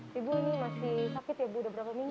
tidak ada pemasukan